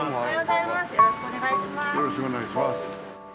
よろしくお願いします。